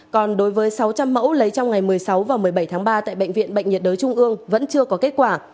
còn đối với sáu trăm linh mẫu lấy trong ngày một mươi sáu và một mươi bảy tháng ba tại bệnh viện bệnh nhiệt đới trung ương vẫn chưa có kết quả